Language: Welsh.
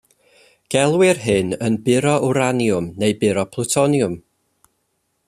Gelwir hyn yn buro wraniwm neu buro plwtoniwm.